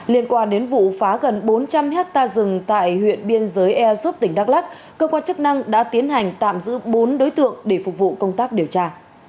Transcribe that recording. liên quan đến vụ phá gần bốn trăm linh hectare rừng tại huyện biên giới erop tỉnh đắk lắc cơ quan chức năng đã tiến hành tạm giữ bốn đối tượng để phục vụ công tác điều tra